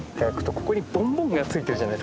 ここにボンボンがついてるじゃないですか。